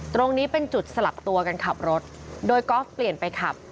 ตรงนี้เป็นจุดสลับตัวกันขับรถโดยกอล์ฟเปลี่ยนไปขับ